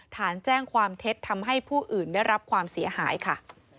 ฐานแจ้งความเท็จทำให้ผู้อื่นได้รับความเสียหายค่ะ